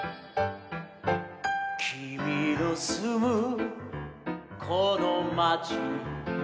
「きみのすむこのまちに」